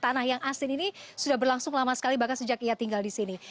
tanah yang asin ini sudah berlangsung lama sekali bahkan sejak ia tinggal di sini